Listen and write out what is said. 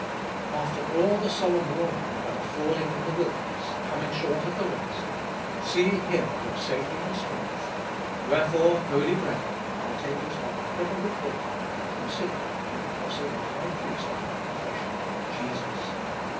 3. After all the solemn warning about falling in the wilderness, coming short of the rest, see here your safety and strength — Wherefore, holy brethren, partakers of a heavenly calling , consider the Apostle and High Priest of our confession, Jesus.